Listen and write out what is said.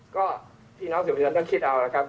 ก็พี่น้องสิบหัวชนต้องคิดเอาแล้วครับ